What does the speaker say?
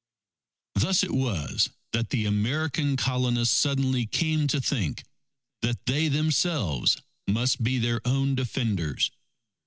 Thus it was that the American Colonists suddenly came to think, that they themselves must be their own defenders.